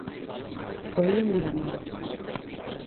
Foi en Vilanova.